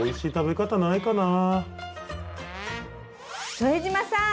副島さん